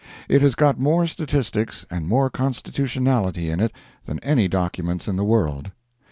It has got more statistics and more constitutionality in it than any document in the world.